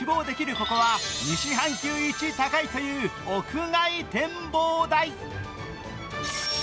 ここは西半球一高いという屋外展望台よ。